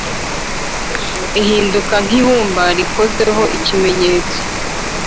ihinduka nk’ibumba rikozweho ikimenyetso,